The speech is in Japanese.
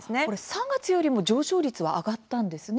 ３月より上昇率が上がったんですね。